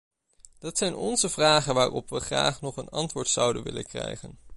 Dat zijn onze vragen waarop we graag nog een antwoord zouden willen krijgen.